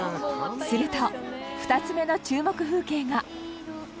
すると２つ目の注目風景が。